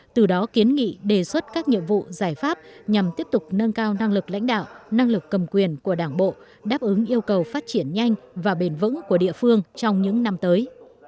từ đó kiến nghị đề xuất các nhiệm vụ giải pháp nhằm tiếp tục nâng cao năng lực lãnh đạo năng lực cầm quyền của đảng bộ đáp ứng yêu cầu phát triển nhanh và bền vững của địa phương trong những năm tới